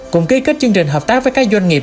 cũng ký kết chương trình hợp tác với các doanh nghiệp